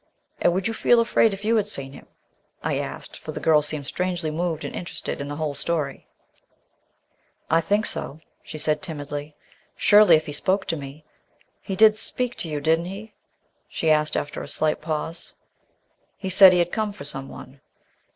"And would you feel afraid if you had seen him?" I asked, for the girl seemed strangely moved and interested in the whole story. "I think so," she answered timidly. "Surely, if he spoke to me. He did speak to you, didn't he, sir?" she asked after a slight pause. "He said he had come for someone."